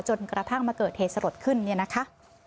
จนกระทั่งมะเกิดเทสรดขึ้นนี่นะคะ